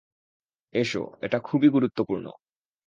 এসো, এটা খুবই গুরুত্বপূর্ণ।